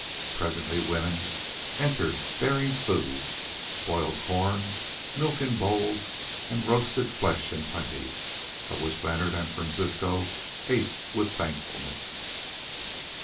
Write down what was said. Presently women entered bearing food, boiled corn, milk in bowls, and roasted flesh in plenty, of which Leonard and Francisco ate with thankfulness.